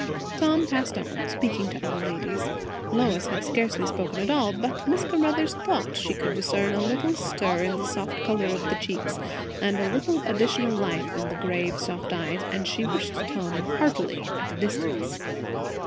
Tom passed on, speaking to other ladies. Lois had scarcely spoken at all; but Miss Caruthers thought she could discern a little stir in the soft colour of the cheeks and a little additional life in the grave soft eyes; and she wished Tom heartily at a distance.